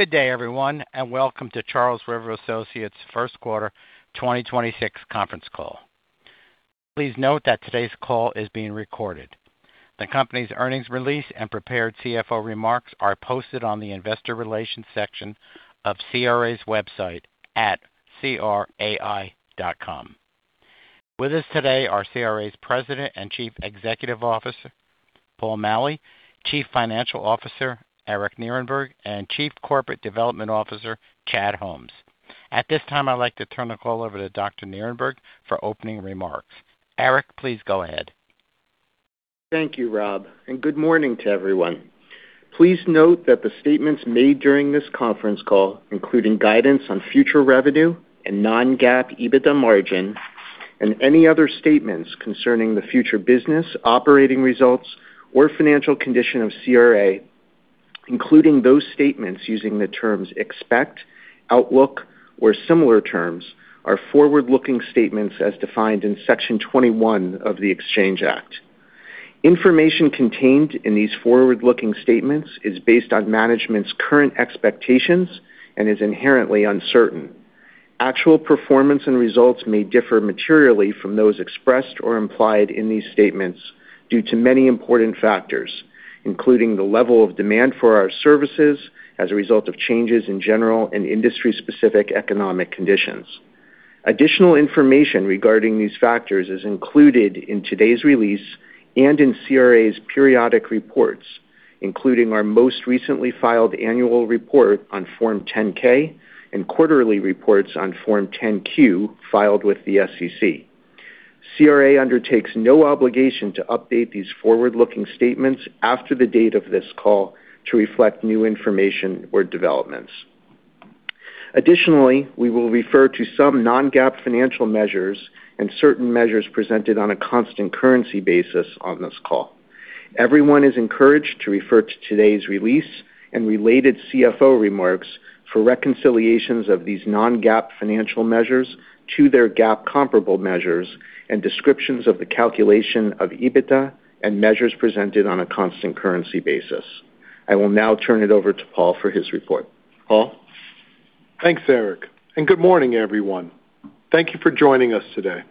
Good day, everyone, and welcome to Charles River Associates' first quarter 2026 conference call. Please note that today's call is being recorded. The company's earnings release and prepared CFO remarks are posted on the investor relations section of CRA's website at crai.com. With us today are CRA's President and Chief Executive Officer, Paul A. Maleh, Chief Financial Officer, Eric Nierenberg, and Chief Corporate Development Officer, Chad M. Holmes. At this time, I'd like to turn the call over to Dr. Nierenberg for opening remarks. Eric, please go ahead. Thank you, Rob, and good morning to everyone. Please note that the statements made during this conference call, including guidance on future revenue and non-GAAP EBITDA margin and any other statements concerning the future business, operating results, or financial condition of CRA, including those statements using the terms expect, outlook, or similar terms, are forward-looking statements as defined in Section 21E of the Exchange Act. Information contained in these forward-looking statements is based on management's current expectations and is inherently uncertain. Actual performance and results may differ materially from those expressed or implied in these statements due to many important factors, including the level of demand for our services as a result of changes in general and industry-specific economic conditions. Additional information regarding these factors is included in today's release and in CRA's periodic reports, including our most recently filed annual report on Form 10-K and quarterly reports on Form 10-Q filed with the SEC. CRA undertakes no obligation to update these forward-looking statements after the date of this call to reflect new information or developments. Additionally, we will refer to some non-GAAP financial measures and certain measures presented on a constant currency basis on this call. Everyone is encouraged to refer to today's release and related CFO remarks for reconciliations of these non-GAAP financial measures to their GAAP comparable measures and descriptions of the calculation of EBITDA and measures presented on a constant currency basis. I will now turn it over to Paul for his report. Paul? Thanks, Eric, and good morning, everyone. Thank you for joining us today.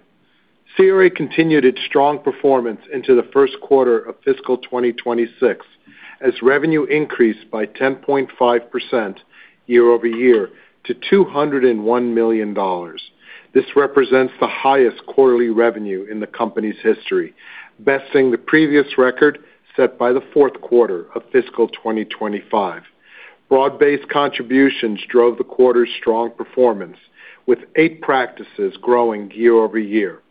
CRA continued its strong performance into the first quarter of fiscal 2026 as revenue increased by 10.5% year-over-year to $201 million. This represents the highest quarterly revenue in the company's history, besting the previous record set by the fourth quarter of fiscal 2025. Broad-based contributions drove the quarter's strong performance, with eight practices growing year-over-year.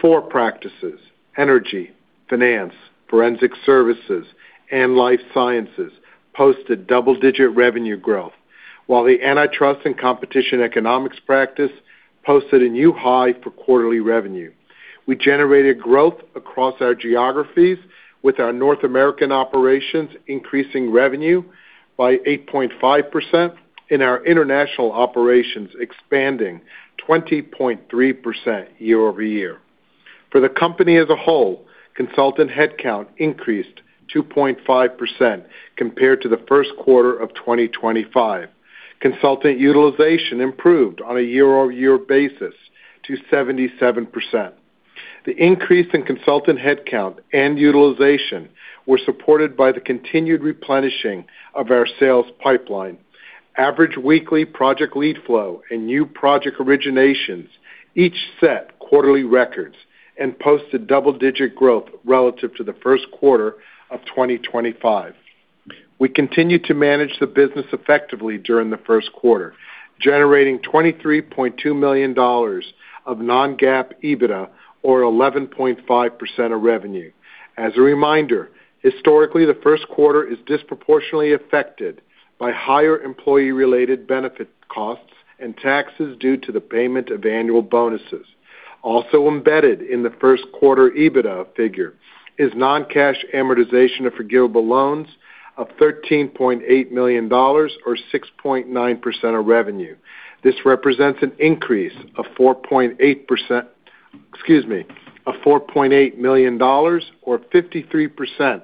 Four practices, Energy, Finance, Forensic Services, and Life Sciences, posted double-digit revenue growth, while the Antitrust & Competition Economics practice posted a new high for quarterly revenue. We generated growth across our geographies, with our North American operations increasing revenue by 8.5% and our international operations expanding 20.3% year-over-year. For the company as a whole, consultant headcount increased 2.5% compared to the first quarter of 2025. Consultant utilization improved on a year-over-year basis to 77%. The increase in consultant headcount and utilization were supported by the continued replenishing of our sales pipeline. Average weekly project lead flow and new project originations each set quarterly records and posted double-digit growth relative to the first quarter of 2025. We continued to manage the business effectively during the first quarter, generating $23.2 million of non-GAAP EBITDA or 11.5% of revenue. As a reminder, historically, the first quarter is disproportionately affected by higher employee-related benefit costs and taxes due to the payment of annual bonuses. Also embedded in the first quarter EBITDA figure is non-cash amortization of forgivable loans of $13.8 million or 6.9% of revenue. This represents an increase of $4.8 million or 53%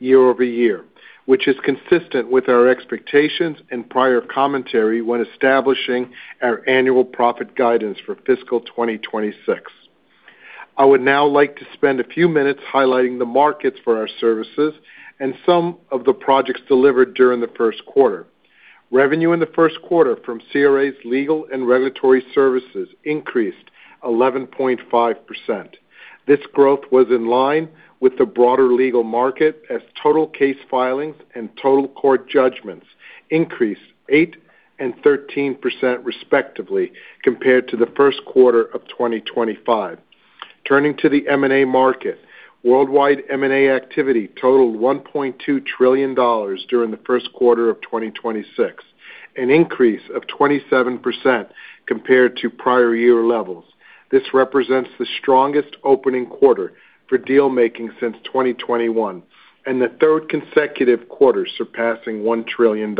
year-over-year, which is consistent with our expectations and prior commentary when establishing our annual profit guidance for FY 2026. I would now like to spend a few minutes highlighting the markets for our services and some of the projects delivered during the first quarter. Revenue in the first quarter from CRA's legal and regulatory services increased 11.5%. This growth was in line with the broader legal market as total case filings and total court judgments increased 8% and 13% respectively compared to the first quarter of 2025. Turning to the M&A market, worldwide M&A activity totaled $1.2 trillion during the first quarter of 2026, an increase of 27% compared to prior year levels. This represents the strongest opening quarter for deal-making since 2021 and the third consecutive quarter surpassing $1 trillion.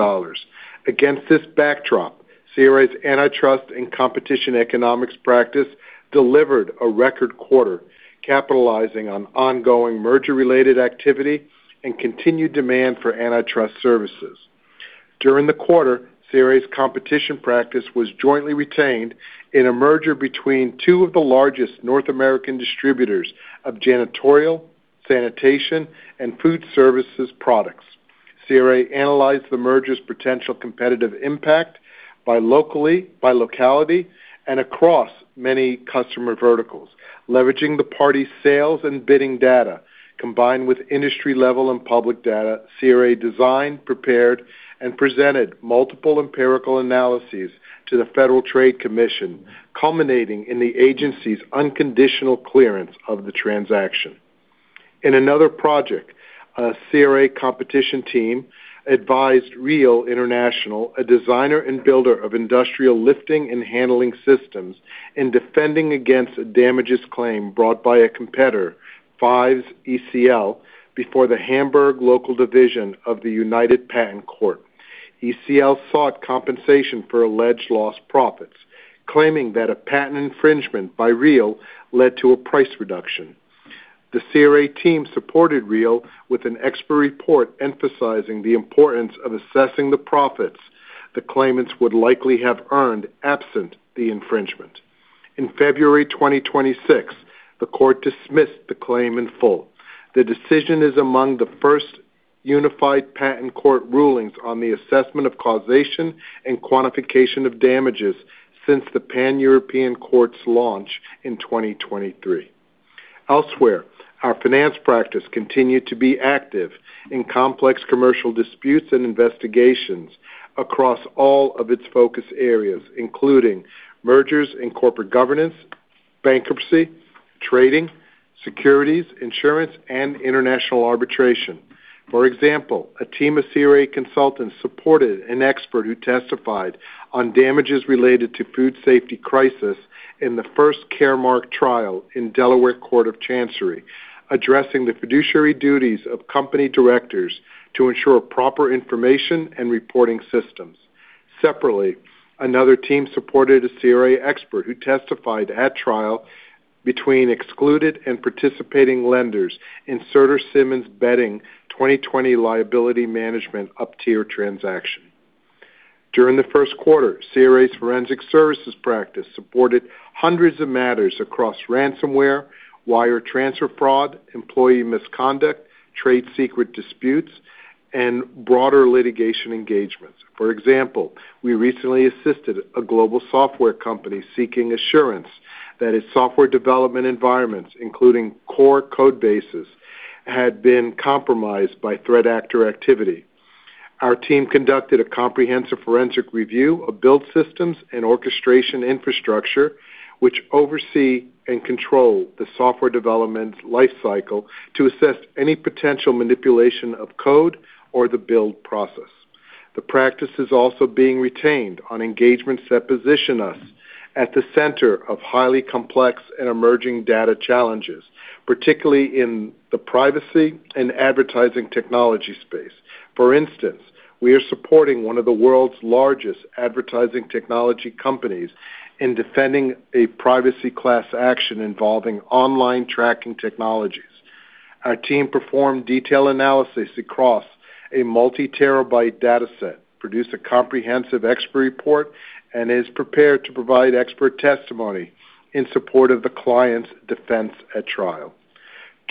Against this backdrop, CRA's Antitrust & Competition Economics practice delivered a record quarter, capitalizing on ongoing merger-related activity and continued demand for antitrust services. During the quarter, CRA's competition practice was jointly retained in a merger between two of the largest North American distributors of janitorial, sanitation, and food services products. CRA analyzed the merger's potential competitive impact by locality and across many customer verticals. Leveraging the party's sales and bidding data, combined with industry-level and public data, CRA designed, prepared, and presented multiple empirical analyses to the Federal Trade Commission, culminating in the agency's unconditional clearance of the transaction. In another project, a CRA competition team advised REEL International, a designer and builder of industrial lifting and handling systems, in defending against a damages claim brought by a competitor, Fives ECL, before the Hamburg Local Division of the Unified Patent Court. ECL sought compensation for alleged lost profits, claiming that a patent infringement by REEL led to a price reduction. The CRA team supported REEL with an expert report emphasizing the importance of assessing the profits the claimants would likely have earned absent the infringement. In February 2026, the court dismissed the claim in full. The decision is among the first Unified Patent Court rulings on the assessment of causation and quantification of damages since the Pan-European Court's launch in 2023. Elsewhere, our Finance continued to be active in complex commercial disputes and investigations across all of its focus areas, including mergers and corporate governance, bankruptcy, trading, securities, insurance, and international arbitration. For example, a team of CRA consultants supported an expert who testified on damages related to food safety crisis in the first Caremark trial in Delaware Court of Chancery, addressing the fiduciary duties of company directors to ensure proper information and reporting systems. Separately, another team supported a CRA expert who testified at trial between excluded and participating lenders in Serta Simmons Bedding 2020 liability management uptier transaction. During the first quarter, CRA's Forensic Services practice supported hundreds of matters across ransomware, wire transfer fraud, employee misconduct, trade secret disputes, and broader litigation engagements. For example, we recently assisted a global software company seeking assurance that its software development environments, including core code bases, had been compromised by threat actor activity. Our team conducted a comprehensive forensic review of build systems and orchestration infrastructure which oversee and control the software development lifecycle to assess any potential manipulation of code or the build process. The practice is also being retained on engagements that position us at the center of highly complex and emerging data challenges, particularly in the privacy and advertising technology space. For instance, we are supporting one of the world's largest advertising technology companies in defending a privacy class action involving online tracking technologies. Our team performed detailed analysis across a multi-terabyte data set, produced a comprehensive expert report, and is prepared to provide expert testimony in support of the client's defense at trial.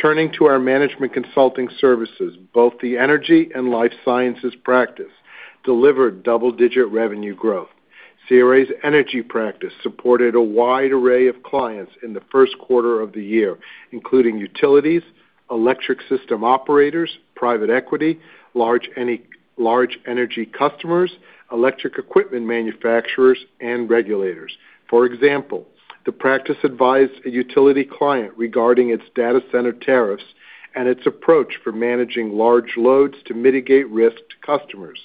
Turning to our management consulting services, both the Energy and Life Sciences practice delivered double-digit revenue growth. CRA's Energy practice supported a wide array of clients in the first quarter of the year, including utilities, electric system operators, private equity, large energy customers, electric equipment manufacturers, and regulators. For example, the practice advised a utility client regarding its data center tariffs and its approach for managing large loads to mitigate risk to customers.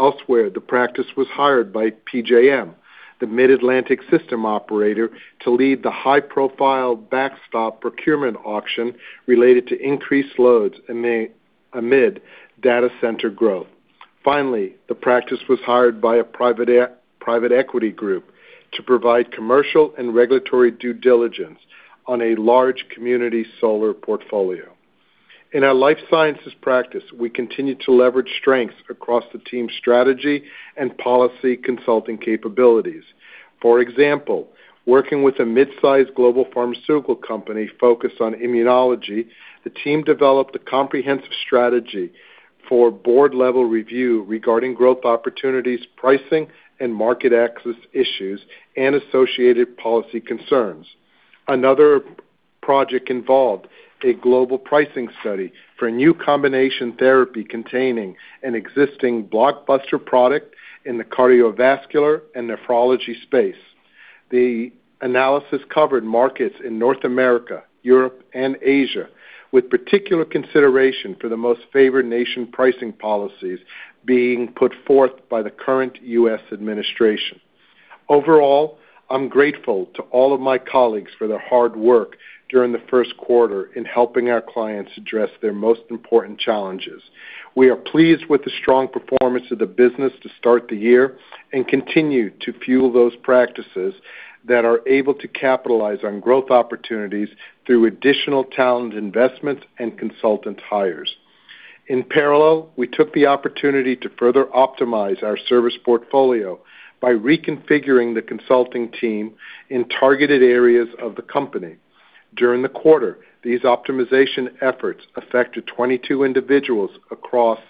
Elsewhere, the practice was hired by PJM, the Mid-Atlantic System Operator, to lead the high-profile backstop procurement auction related to increased loads amid data center growth. Finally, the practice was hired by a private equity group to provide commercial and regulatory due diligence on a large community solar portfolio. In our life sciences practice, we continue to leverage strengths across the team's strategy and policy consulting capabilities. For example, working with a mid-sized global pharmaceutical company focused on immunology, the team developed a comprehensive strategy for board-level review regarding growth opportunities, pricing, and market access issues, and associated policy concerns. Another project involved a global pricing study for a new combination therapy containing an existing blockbuster product in the cardiovascular and nephrology space. The analysis covered markets in North America, Europe, and Asia, with particular consideration for the Most Favored Nation pricing policies being put forth by the current U.S. administration. I'm grateful to all of my colleagues for their hard work during the first quarter in helping our clients address their most important challenges. We are pleased with the strong performance of the business to start the year and continue to fuel those practices that are able to capitalize on growth opportunities through additional talent investments and consultant hires. We took the opportunity to further optimize our service portfolio by reconfiguring the consulting team in targeted areas of the company. During the quarter, these optimization efforts affected 22 individuals across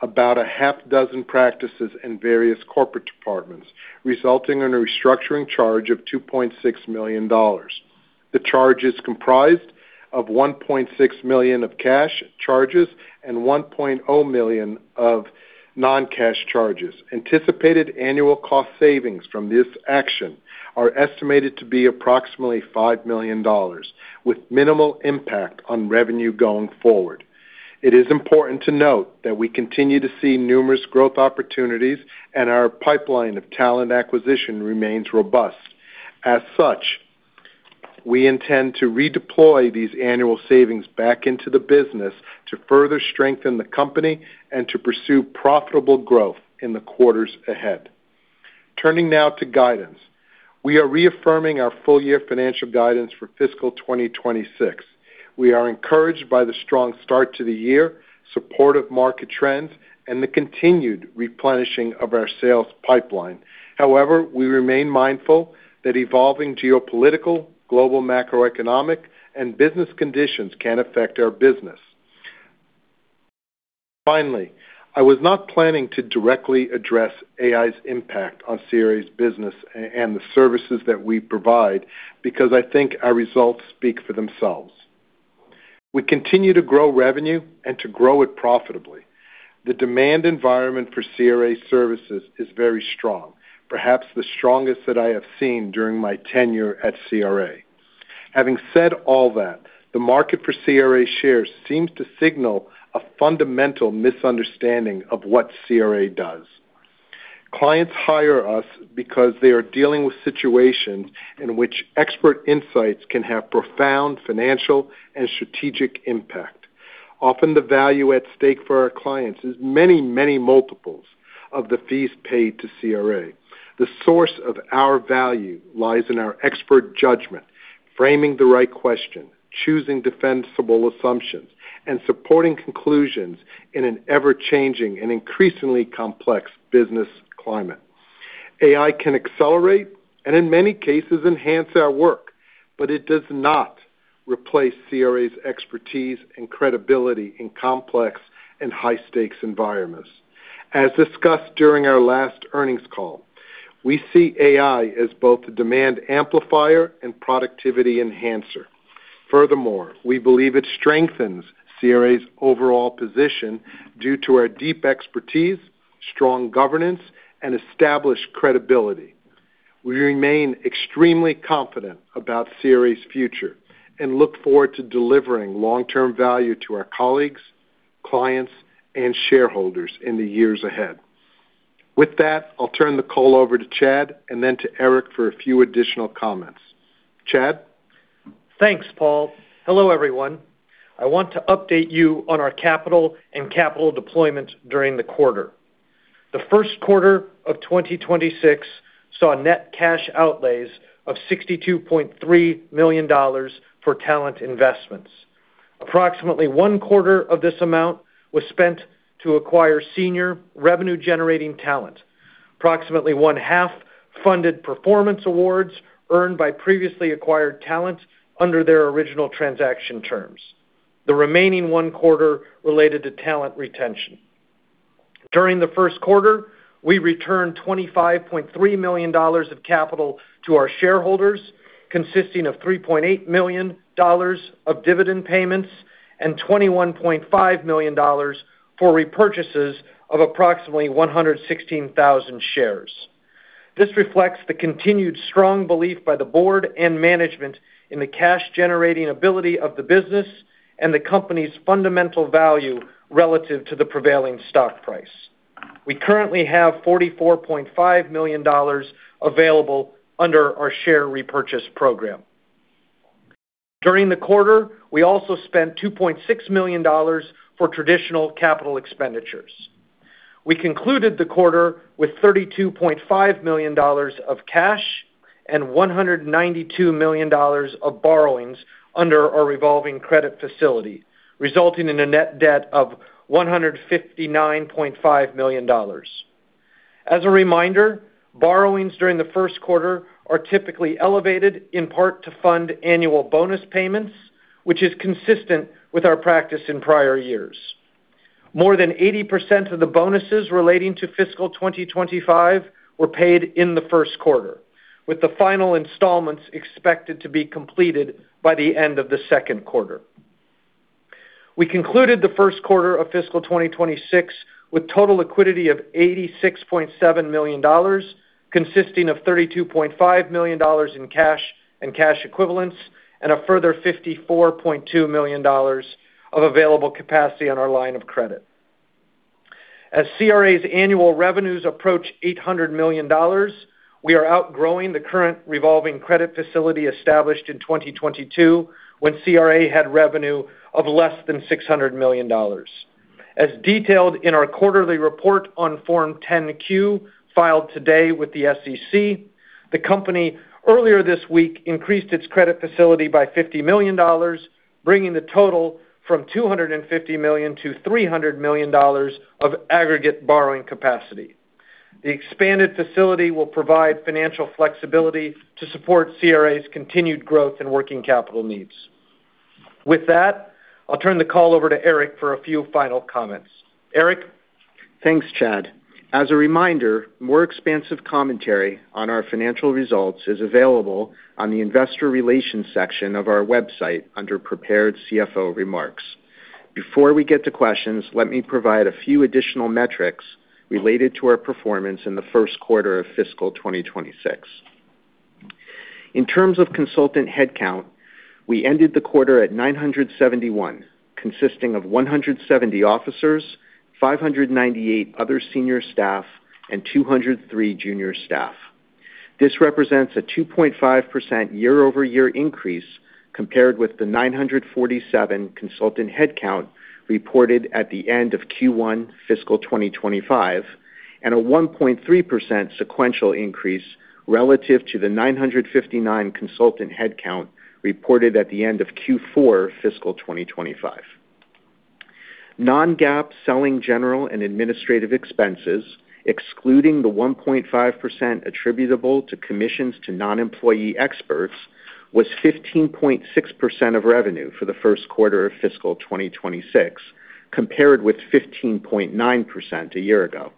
about a half dozen practices in various corporate departments, resulting in a restructuring charge of $2.6 million. The charge is comprised of $1.6 million of cash charges and $1.0 million of non-cash charges. Anticipated annual cost savings from this action are estimated to be approximately $5 million, with minimal impact on revenue going forward. It is important to note that we continue to see numerous growth opportunities and our pipeline of talent acquisition remains robust. We intend to redeploy these annual savings back into the business to further strengthen the company and to pursue profitable growth in the quarters ahead. Turning now to guidance. We are reaffirming our full year financial guidance for fiscal 2026. We are encouraged by the strong start to the year, supportive market trends, and the continued replenishing of our sales pipeline. We remain mindful that evolving geopolitical, global macroeconomic and business conditions can affect our business. Finally, I was not planning to directly address AI's impact on CRA's business and the services that we provide because I think our results speak for themselves. We continue to grow revenue and to grow it profitably. The demand environment for CRA services is very strong, perhaps the strongest that I have seen during my tenure at CRA. Having said all that, the market for CRA shares seems to signal a fundamental misunderstanding of what CRA does. Clients hire us because they are dealing with situations in which expert insights can have profound financial and strategic impact. Often the value at stake for our clients is many, many multiples of the fees paid to CRA. The source of our value lies in our expert judgment, framing the right question, choosing defensible assumptions, and supporting conclusions in an ever-changing and increasingly complex business climate. AI can accelerate and in many cases enhance our work, but it does not replace CRA's expertise and credibility in complex and high-stakes environments. As discussed during our last earnings call, we see AI as both a demand amplifier and productivity enhancer. Furthermore, we believe it strengthens CRA's overall position due to our deep expertise, strong governance, and established credibility. We remain extremely confident about CRA's future and look forward to delivering long-term value to our colleagues, clients, and shareholders in the years ahead. With that, I'll turn the call over to Chad and then to Eric for a few additional comments. Chad? Thanks, Paul. Hello, everyone. I want to update you on our capital and capital deployment during the quarter. The first quarter of 2026 saw net cash outlays of $62.3 million for talent investments. Approximately 1/4 of this amount was spent to acquire senior revenue-generating talent. Approximately one-half funded performance awards earned by previously acquired talent under their original transaction terms. The remaining 1/4 related to talent retention. During the first quarter, we returned $25.3 million of capital to our shareholders, consisting of $3.8 million of dividend payments and $21.5 million for repurchases of approximately 116,000 shares. This reflects the continued strong belief by the Board and Management in the cash-generating ability of the business and the company's fundamental value relative to the prevailing stock price. We currently have $44.5 million available under our share repurchase program. During the quarter, we also spent $2.6 million for traditional capital expenditures. We concluded the quarter with $32.5 million of cash and $192 million of borrowings under our revolving credit facility, resulting in a net debt of $159.5 million. As a reminder, borrowings during the first quarter are typically elevated in part to fund annual bonus payments, which is consistent with our practice in prior years. More than 80% of the bonuses relating to FY 2025 were paid in the first quarter, with the final installments expected to be completed by the end of the second quarter. We concluded the first quarter of fiscal 2026 with total liquidity of $86.7 million, consisting of $32.5 million in cash and cash equivalents and a further $54.2 million of available capacity on our line of credit. As CRA's annual revenues approach $800 million, we are outgrowing the current revolving credit facility established in 2022 when CRA had revenue of less than $600 million. As detailed in our quarterly report on Form 10-Q filed today with the SEC, the company earlier this week increased its credit facility by $50 million, bringing the total from $250 million to $300 million of aggregate borrowing capacity. The expanded facility will provide financial flexibility to support CRA's continued growth and working capital needs. With that, I'll turn the call over to Eric for a few final comments. Eric? Thanks, Chad. As a reminder, more expansive commentary on our financial results is available on the investor relations section of our website under Prepared CFO Remarks. Before we get to questions, let me provide a few additional metrics related to our performance in the first quarter of fiscal 2026. In terms of consultant headcount, we ended the quarter at 971, consisting of 170 officers, 598 other senior staff, and 203 junior staff. This represents a 2.5% year-over-year increase compared with the 947 consultant headcount reported at the end of Q1 fiscal 2025, and a 1.3% sequential increase relative to the 959 consultant headcount reported at the end of Q4 fiscal 2025. Non-GAAP selling general and administrative expenses, excluding the 1.5% attributable to commissions to non-employee experts, was 15.6% of revenue for the first quarter of fiscal 2026, compared with 15.9% a year ago.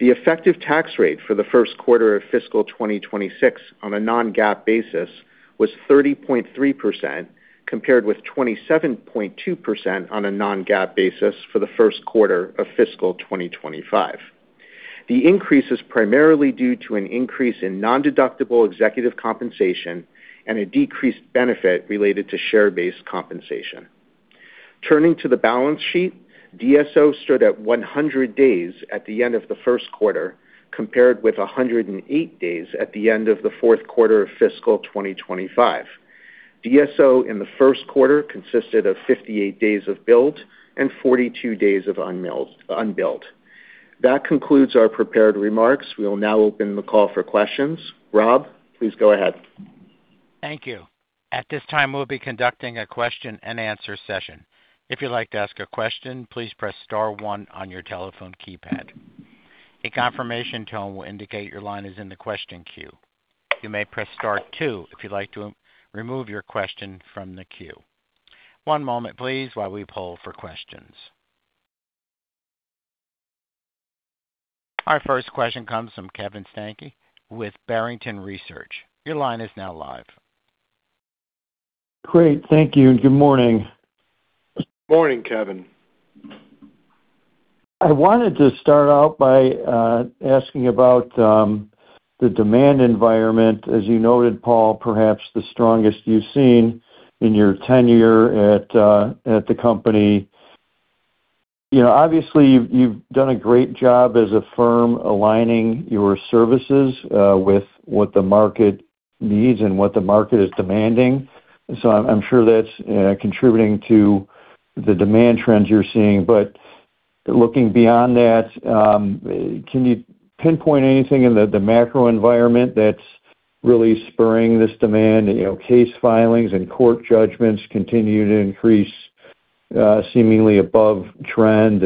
The effective tax rate for the first quarter of fiscal 2026 on a non-GAAP basis was 30.3%, compared with 27.2% on a non-GAAP basis for the first quarter of fiscal 2025. The increase is primarily due to an increase in non-deductible executive compensation and a decreased benefit related to share-based compensation. Turning to the balance sheet, DSO stood at 100 days at the end of the first quarter, compared with 108 days at the end of the fourth quarter of fiscal 2025. DSO in the first quarter consisted of 58 days of billed and 42 days of unbilled. That concludes our prepared remarks. We will now open the call for questions. Rob, please go ahead. Thank you. At this time, we'll be conducting a question-and-answer session. If you'd like to ask a question, please press star one on your telephone keypad. A confirmation tone will indicate your line is in the question queue. You may press star two if you'd like to remove your question from the queue. One moment, please, while we poll for questions. Our first question comes from Kevin Steinke with Barrington Research. Your line is now live. Great. Thank you, and good morning. Morning, Kevin. I wanted to start out by asking about the demand environment. As you noted, Paul, perhaps the strongest you've seen in your tenure at the company. You know, obviously, you've done a great job as a firm aligning your services with what the market needs and what the market is demanding. I'm sure that's contributing to the demand trends you're seeing. Looking beyond that, can you pinpoint anything in the macro environment that's really spurring this demand? You know, case filings and court judgments continue to increase seemingly above trend.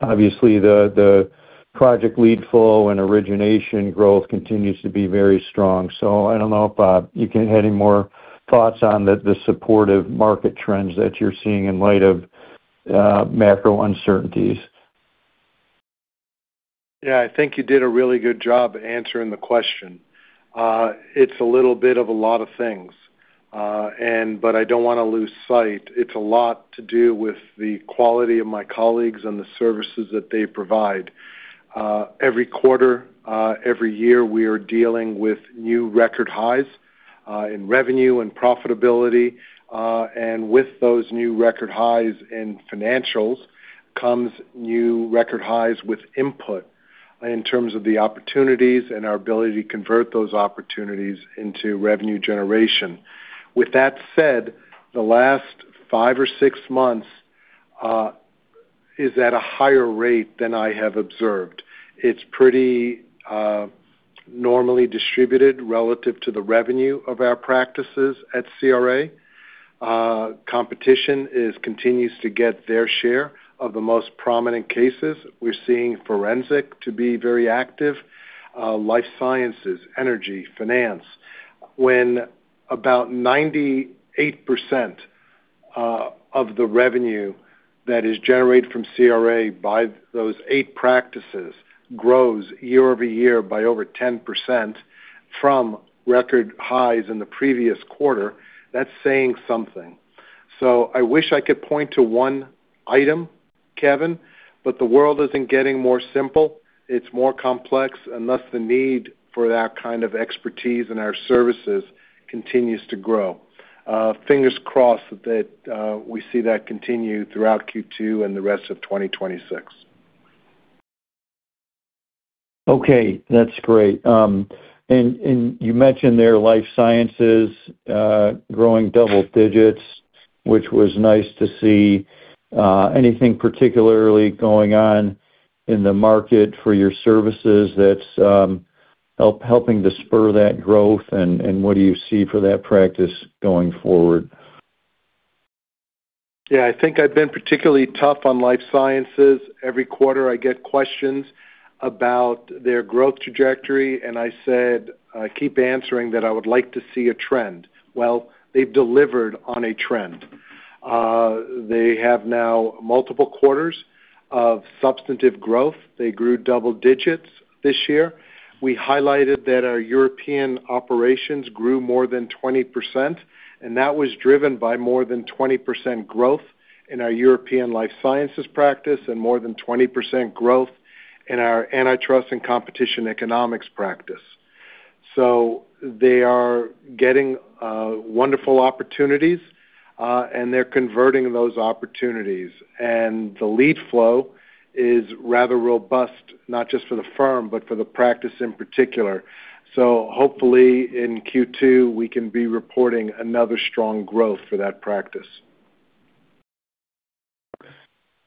Obviously, the project lead flow and origination growth continues to be very strong. I don't know if you can have any more thoughts on the supportive market trends that you're seeing in light of macro uncertainties. Yeah. I think you did a really good job answering the question. It's a little bit of a lot of things. I don't wanna lose sight. It's a lot to do with the quality of my colleagues and the services that they provide. Every quarter, every year, we are dealing with new record highs in revenue and profitability, with those new record highs in financials comes new record highs with input in terms of the opportunities and our ability to convert those opportunities into revenue generation. With that said, the last five or six months is at a higher rate than I have observed. It's pretty normally distributed relative to the revenue of our practices at CRA. Competition continues to get their share of the most prominent cases. We're seeing Forensic to be very active, Life sciences, Energy, Finance. When about 98% of the revenue that is generated from CRA by those eight practices grows year-over-year by over 10% from record highs in the previous quarter, that's saying something. I wish I could point to one item, Kevin. The world isn't getting more simple, it's more complex, and thus the need for that kind of expertise in our services continues to grow. Fingers crossed that we see that continue throughout Q2 and the rest of 2026. Okay, that's great. You mentioned their life sciences growing double digits, which was nice to see. Anything particularly going on in the market for your services that's helping to spur that growth and what do you see for that practice going forward? Yeah. I think I've been particularly tough on Life Sciences. Every quarter I get questions about their growth trajectory, and I said, I keep answering that I would like to see a trend. Well, they've delivered on a trend. They have now multiple quarters of substantive growth. They grew double digits this year. We highlighted that our European operations grew more than 20%, and that was driven by more than 20% growth in our European Life Sciences practice and more than 20% growth in our Antitrust & Competition Economics practice. They are getting wonderful opportunities, and they're converting those opportunities. The lead flow is rather robust, not just for the firm, but for the practice in particular. Hopefully in Q2 we can be reporting another strong growth for that practice.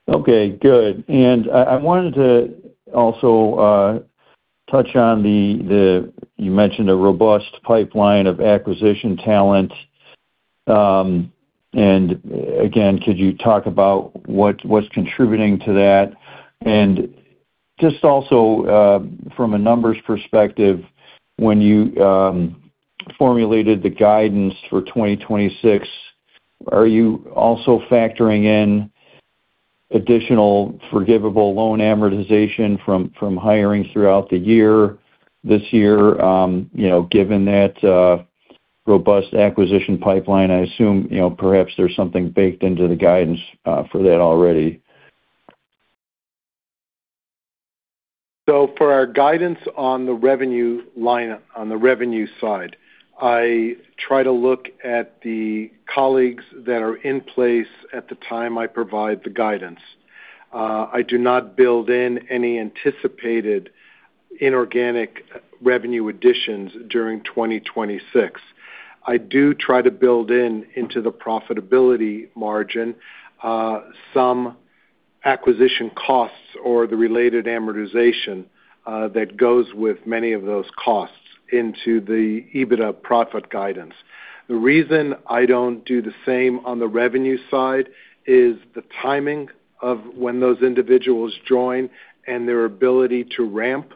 Okay, good. I wanted to also touch on the You mentioned a robust pipeline of acquisition talent. Again, could you talk about what's contributing to that? Just also, from a numbers perspective, when you formulated the guidance for 2026, are you also factoring in additional forgivable loan amortization from hiring throughout the year, this year? You know, given that robust acquisition pipeline, I assume, you know, perhaps there's something baked into the guidance for that already. For our guidance on the revenue line-- on the revenue side, I try to look at the colleagues that are in place at the time I provide the guidance. I do not build in any anticipated inorganic revenue additions during 2026. I do try to build in into the profitability margin, some acquisition costs or the related amortization that goes with many of those costs into the EBITDA profit guidance. The reason I don't do the same on the revenue side is the timing of when those individuals join and their ability to ramp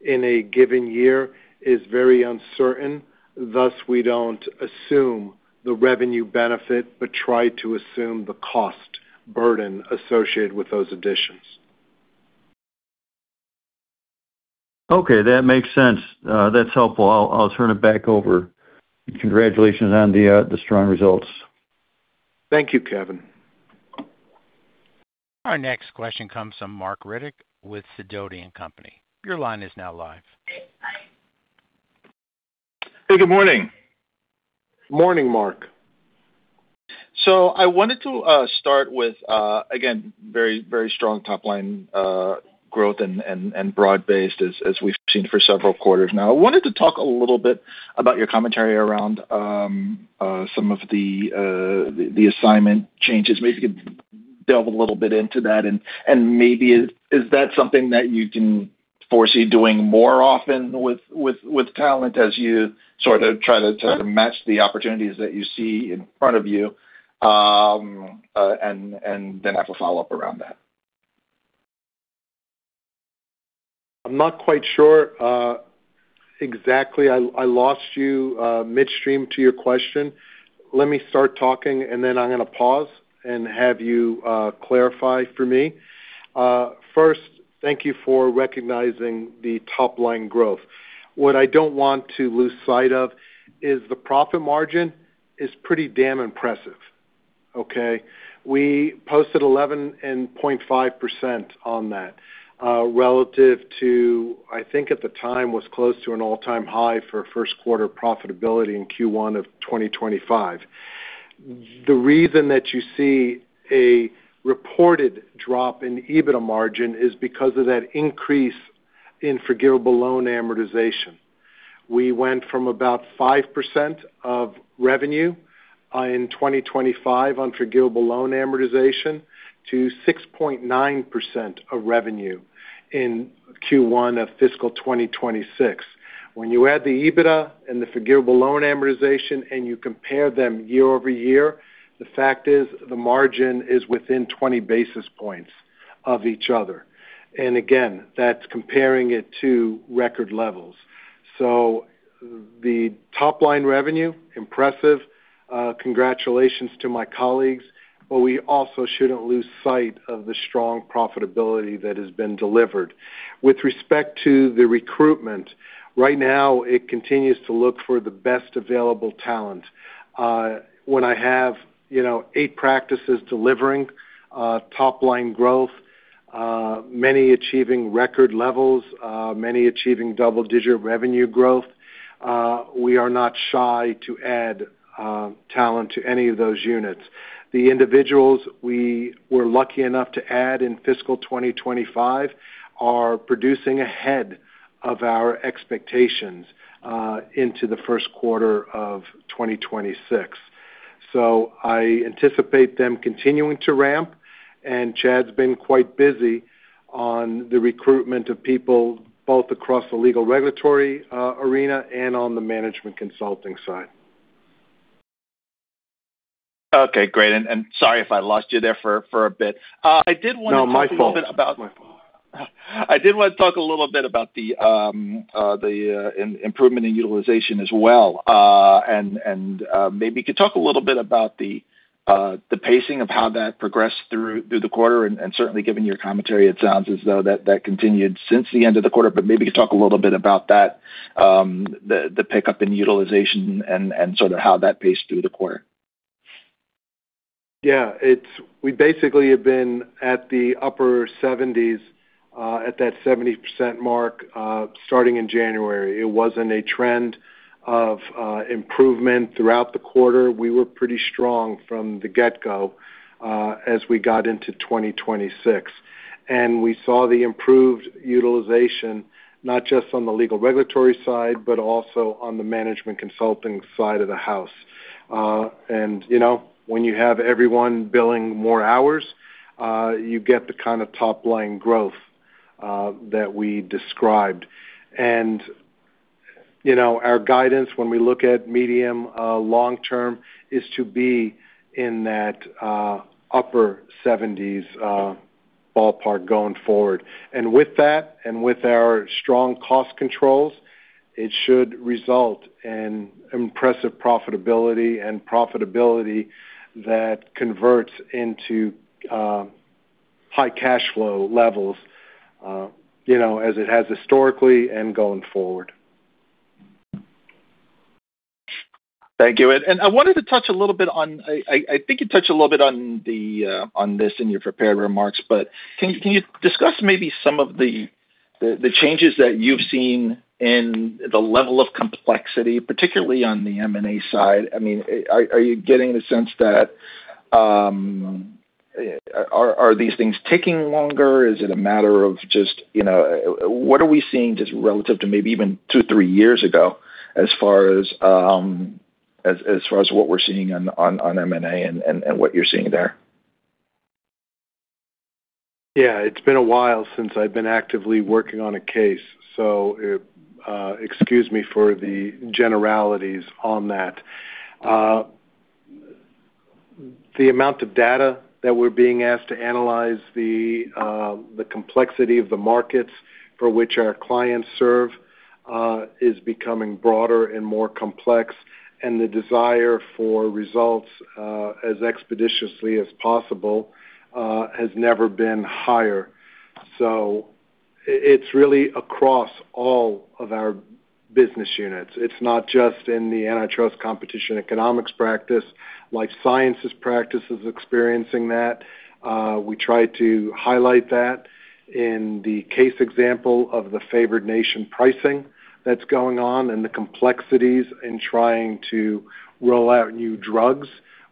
in a given year is very uncertain. Thus, we don't assume the revenue benefit, but try to assume the cost burden associated with those additions. Okay, that makes sense. That's helpful. I'll turn it back over. Congratulations on the strong results. Thank you, Kevin. Our next question comes from Marc Riddick with Sidoti & Company. Your line is now live. Hey, good morning. Morning, Marc. I wanted to start with again, very, very strong top line growth and broad-based as we've seen for several quarters now. I wanted to talk a little bit about your commentary around some of the assignment changes. Maybe you could delve a little bit into that and maybe is that something that you can foresee doing more often with talent as you sort of try to match the opportunities that you see in front of you? I have a follow-up around that. I'm not quite sure, exactly. I lost you, midstream to your question. Let me start talking, and then I'm gonna pause and have you clarify for me. First, thank you for recognizing the top line growth. What I don't want to lose sight of is the profit margin is pretty damn impressive, okay? We posted 11.5% on that, relative to, I think at the time, was close to an all-time high for first quarter profitability in Q1 of 2025. The reason that you see a reported drop in EBITDA margin is because of that increase in forgivable loan amortization. We went from about 5% of revenue, in 2025 on forgivable loan amortization to 6.9% of revenue in Q1 of fiscal 2026. When you add the EBITDA and the forgivable loan amortization and you compare them year-over-year, the fact is the margin is within 20 basis points of each other. Again, that's comparing it to record levels. The top line revenue, impressive. Congratulations to my colleagues, but we also shouldn't lose sight of the strong profitability that has been delivered. With respect to the recruitment, right now it continues to look for the best available talent. When I have, you know, eight practices delivering top-line growth. Many achieving record levels, many achieving double-digit revenue growth. We are not shy to add talent to any of those units. The individuals we were lucky enough to add in fiscal 2025 are producing ahead of our expectations into the first quarter of 2026. I anticipate them continuing to ramp, and Chad's been quite busy on the recruitment of people, both across the legal regulatory arena and on the management consulting side. Okay, great. Sorry if I lost you there for a bit. I did wanna talk a little bit. No, my fault. I did wanna talk a little bit about the improvement in utilization as well. Maybe you could talk a little bit about the pacing of how that progressed through the quarter and certainly given your commentary, it sounds as though that continued since the end of the quarter, but maybe you could talk a little bit about that pickup in utilization and sort of how that paced through the quarter. We basically have been at the upper 70s, at that 70% mark, starting in January. It wasn't a trend of improvement throughout the quarter. We were pretty strong from the get-go, as we got into 2026. We saw the improved utilization, not just on the legal regulatory side, but also on the management consulting side of the house. You know, when you have everyone billing more hours, you get the kind of top-line growth that we described. You know, our guidance, when we look at medium, long term, is to be in that upper 70s ballpark going forward. With that, and with our strong cost controls, it should result in impressive profitability and profitability that converts into high cash flow levels, you know, as it has historically and going forward. Thank you. I wanted to touch a little bit on, I think you touched a little bit on this in your prepared remarks, but can you discuss maybe some of the changes that you've seen in the level of complexity, particularly on the M&A side? I mean, are you getting the sense that these things taking longer? Is it a matter of just, you know, what are we seeing just relative to maybe even two, three years ago as far as what we're seeing on M&A and what you're seeing there? Yeah. It's been a while since I've been actively working on a case, so excuse me for the generalities on that. The amount of data that we're being asked to analyze, the complexity of the markets for which our clients serve, is becoming broader and more complex, and the desire for results, as expeditiously as possible, has never been higher. It's really across all of our business units. It's not just in the Antitrust & Competition Economics practice. Life Sciences practice is experiencing that. We try to highlight that in the case example of the Most Favored Nation pricing that's going on and the complexities in trying to roll out new drugs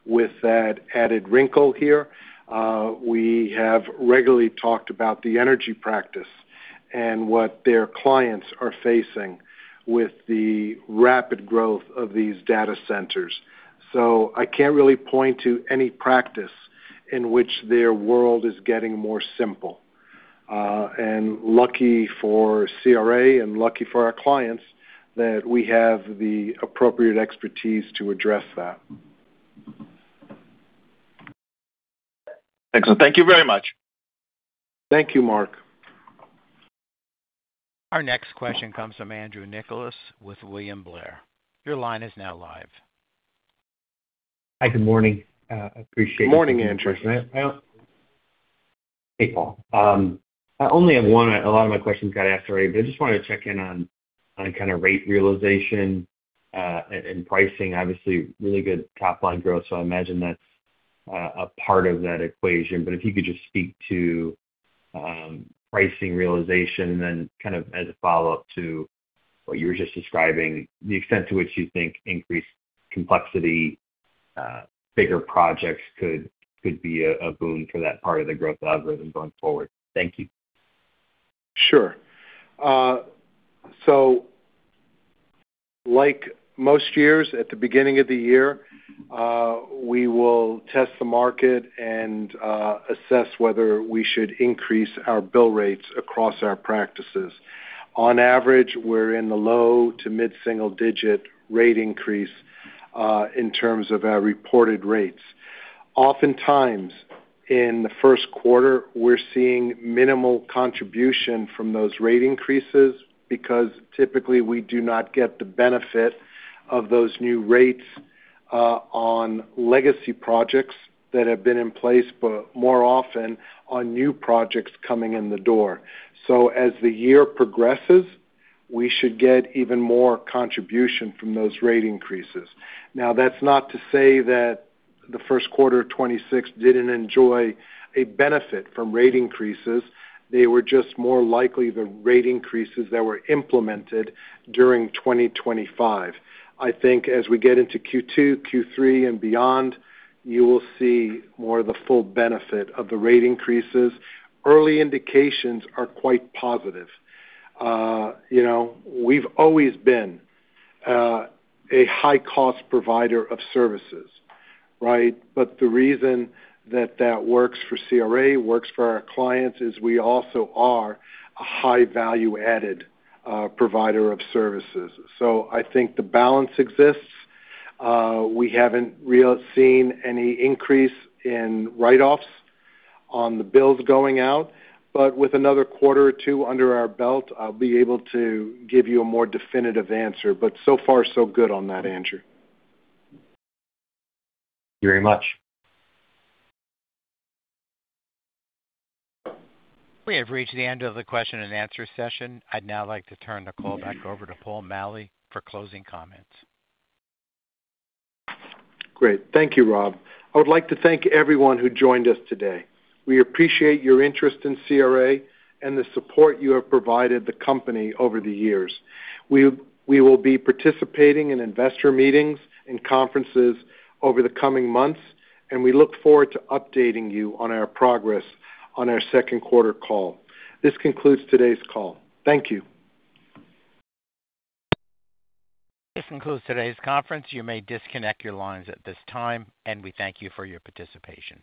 with that added wrinkle here. We have regularly talked about the Energy practice and what their clients are facing with the rapid growth of these data centers. I can't really point to any practice in which their world is getting more simple. Lucky for CRA and lucky for our clients that we have the appropriate expertise to address that. Excellent. Thank you very much. Thank you, Marc. Our next question comes from Andrew Nicholas with William Blair. Your line is now live. Hi, good morning. Good morning, Andrew. Hey, Paul. I only have one. A lot of my questions got asked already, but I just wanted to check in on kind of rate realization and pricing. Obviously, really good top-line growth, I imagine that's a part of that equation. If you could just speak to pricing realization and kind of as a follow-up to what you were just describing, the extent to which you think increased complexity, bigger projects could be a boon for that part of the growth algorithm going forward. Thank you. Sure. Like most years, at the beginning of the year, we will test the market and assess whether we should increase our bill rates across our practices. On average, we're in the low to mid-single digit rate increase in terms of our reported rates. Oftentimes, in the first quarter, we're seeing minimal contribution from those rate increases because typically, we do not get the benefit of those new rates on legacy projects that have been in place, but more often on new projects coming in the door. As the year progresses, we should get even more contribution from those rate increases. Now, that's not to say that the first quarter of 2026 didn't enjoy a benefit from rate increases. They were just more likely the rate increases that were implemented during 2025. I think as we get into Q2, Q3 and beyond, you will see more of the full benefit of the rate increases. Early indications are quite positive. You know, we've always been a high-cost provider of services, right? The reason that that works for CRA, works for our clients, is we also are a high value-added provider of services. I think the balance exists. We haven't seen any increase in write-offs on the bills going out, but with another quarter or two under our belt, I'll be able to give you a more definitive answer. So far, so good on that, Andrew. Thank you very much. We have reached the end of the question and answer session. I'd now like to turn the call back over to Paul A. Maleh for closing comments. Great. Thank you, Rob. I would like to thank everyone who joined us today. We appreciate your interest in CRA and the support you have provided the company over the years. We will be participating in investor meetings and conferences over the coming months, and we look forward to updating you on our progress on our second quarter call. This concludes today's call. Thank you. This concludes today's conference. You may disconnect your lines at this time, and we thank you for your participation.